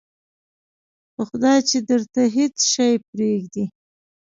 په خدای چې درته هېڅ شی پرېږدي.